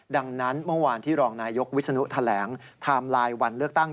ดังนั้นเมื่อวานที่รองนายกวิศนุแถลงไทม์ไลน์วันเลือกตั้ง